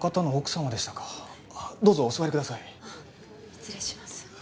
失礼します。